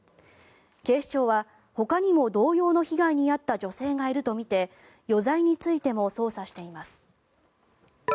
警視庁はほかにも同様の被害に遭った女性がいるとみて余罪についても捜査しています。